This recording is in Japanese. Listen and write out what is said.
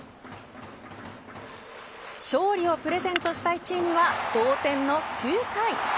勝利をプレゼントしたいチームは同点の９回。